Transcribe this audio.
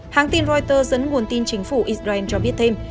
hãng tin reuters dẫn nguồn tin chính phủ israel cho biết thêm